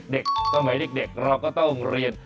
เด็กต้องไหมเราก็ต้องเรียน